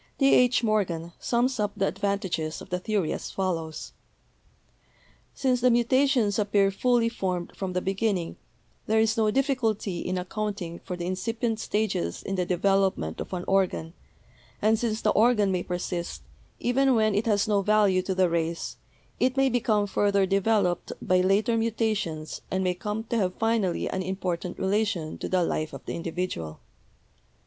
T. H. Morgan sums up the advan tages of the theory as follows: "Since the mutations ap pear fully formed from the beginning, there is no difficulty in accounting for the incipient stages in the development of an organ, and since the organ may persist, even when it has no value to the race, it may become further devel oped by later mutations and may come to have finally an important relation to the life of the individual.